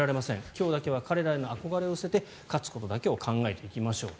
今日だけは彼らへの憧れを捨てて勝つことだけを考えていきましょう。